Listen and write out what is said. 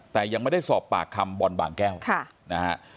แต่ยังไม่ได้สอบปากคำบอลบางแก้วนะฮะ